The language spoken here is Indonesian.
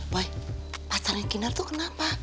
boy pacarnya kinar tuh kenapa